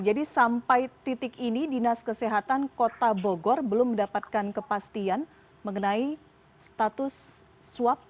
jadi sampai titik ini dinas kesehatan kota bogor belum mendapatkan kepastian mengenai status swab